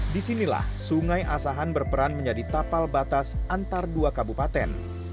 disinilah sungai asahan berperan menjadi tapal batas antar dua kabupaten